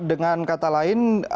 dengan kata lain